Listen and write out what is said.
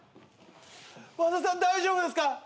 和田さん大丈夫ですか？